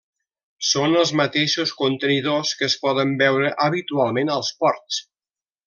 Són els mateixos contenidors que es poden veure habitualment als ports.